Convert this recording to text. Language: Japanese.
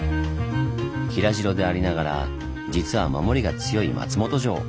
平城でありながら実は守りが強い松本城。